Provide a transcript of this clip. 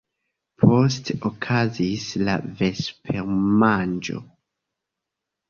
Poste okazis la vespermanĝo.